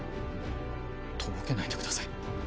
とぼけないでください。